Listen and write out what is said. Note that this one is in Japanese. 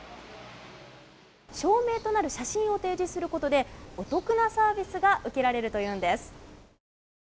証明となる写真を提示することでお得なサービスが受けられるというんです。